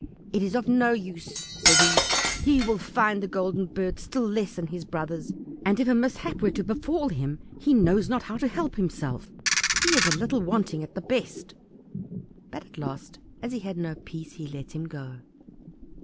"It is of no use," said he, "he will find the Golden Bird still less than his brothers, and if a mishap were to befall him he knows not how to help himself; he is a little wanting at the best." But at last, as he had no peace, he let him go.